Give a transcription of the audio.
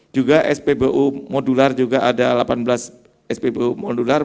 juga spbu modular juga ada delapan belas spbu modular